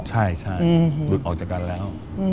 ใช่หลุดออกจากกันแล้ว